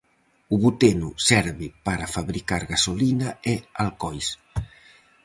O buteno serve para fabricar gasolina e alcohois.